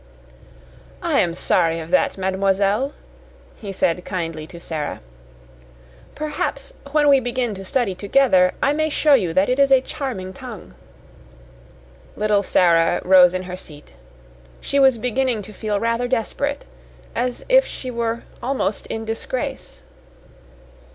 "I am sorry of that, mademoiselle," he said kindly to Sara. "Perhaps, when we begin to study together, I may show you that it is a charming tongue." Little Sara rose in her seat. She was beginning to feel rather desperate, as if she were almost in disgrace.